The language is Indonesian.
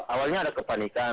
awalnya ada kepanikan